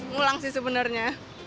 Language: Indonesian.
mulang sih sebenarnya